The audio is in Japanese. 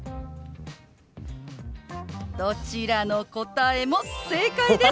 どちらの答えも正解です！